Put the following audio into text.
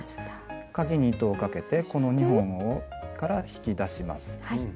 かぎに糸をかけてこの２本から引き出します。